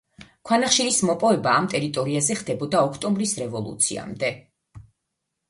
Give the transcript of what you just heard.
ქვანახშირის მოპოვება ამ ტერიტორიაზე ხდებოდა ოქტომბრის რევოლუციამდე.